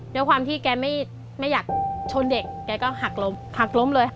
ด้วยความที่แกไม่อยากชนเด็กแกก็หักล้มหักล้มเลย